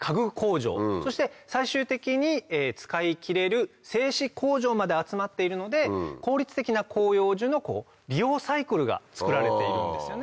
そして最終的に使い切れる。まで集まっているので効率的な広葉樹の利用サイクルがつくられているんですよね。